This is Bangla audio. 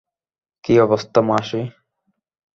কী অবস্থা, মাসি?